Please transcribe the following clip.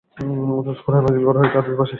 অথচ কুরআন নাযিল করা হয়েছে আরবী ভাষায়।